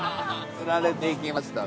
つられていきましたね。